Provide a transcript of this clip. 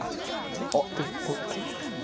あっでも動いたか。